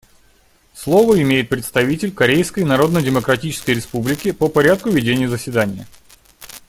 Слово имеет представитель Корейской Народно-Демократической Республики по порядку ведения заседания.